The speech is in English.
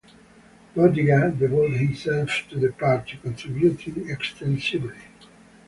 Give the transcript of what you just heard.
Bordiga devoted himself to the Party, contributing extensively.